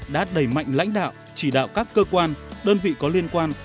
đã đẩy mạnh lãnh đạo chỉ đạo các cơ quan đơn vị có liên quan